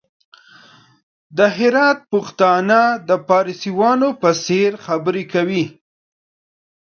د هرات پښتانه د فارسيوانانو په څېر خبري کوي!